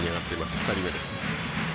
２人目です。